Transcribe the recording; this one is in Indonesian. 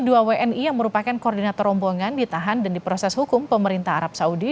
dua wni yang merupakan koordinator rombongan ditahan dan diproses hukum pemerintah arab saudi